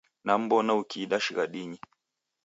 Nam'mbona ukiida shighadinyi.